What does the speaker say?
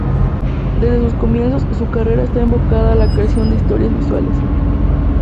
Desde sus comienzos, su carrera está enfocada a la creación de historias visuales.